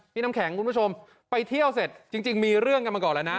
น้ำแข็งคุณผู้ชมไปเที่ยวเสร็จจริงมีเรื่องกันมาก่อนแล้วนะ